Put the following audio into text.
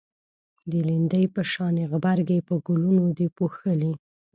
د لیندۍ په شانی غبرگی په گلونو دی پوښلی